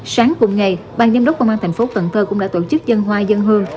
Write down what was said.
sáng cùng ngày ban giám đốc công an tp cn cũng đã tổ chức dân hoa dân hương